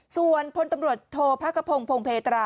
ส่วนพลตำรวจโทษพระกระพงศ์พงเพตรา